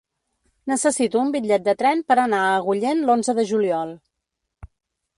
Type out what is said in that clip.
Necessito un bitllet de tren per anar a Agullent l'onze de juliol.